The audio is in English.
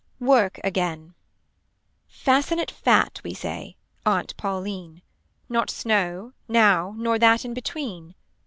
WORK AGAIN Fasten it fat we say Aunt Pauline. Not snow now nor that in between.